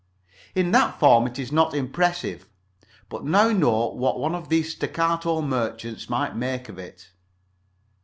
In that form it is not impressive, but now note what one of these staccato merchants might make of it.